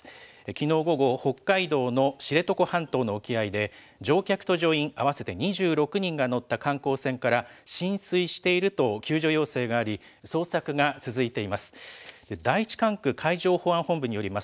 きのう午後、北海道の知床半島の沖合で、乗客と乗員合わせて２６人が乗った観光船から浸水していると救助要請があり、捜索が続いています。